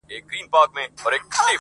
نن مي واخله پر سر یو مي سه تر سونډو